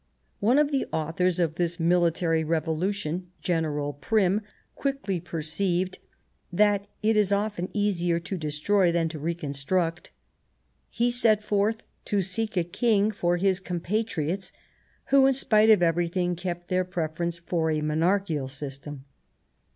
One of the authors The Hohen of this military revolution. General Prim, candidature quickly perceived that it is often easier to destroy than to reconstruct. He set forth to seek a King for his compatriots, who, in spite of everything, kept their preference for a monarchical system.